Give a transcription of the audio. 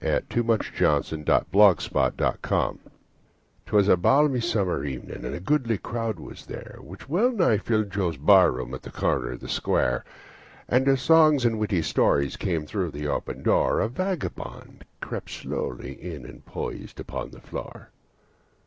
Y Z The Face on the Barroom Floor 'TWAS a balmy summer evening, and a goodly crowd was there, Which well nigh filled Joe's barroom, on the corner of the square; And as songs and witty stories came through the open door, A vagabond crept slowly in and posed upon the floor.